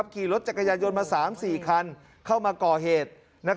ขี่รถจักรยานยนต์มา๓๔คันเข้ามาก่อเหตุ